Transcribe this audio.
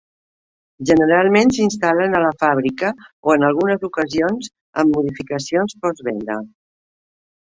Generalment s'instal·len a la fàbrica o, en algunes ocasions, en modificacions postvenda.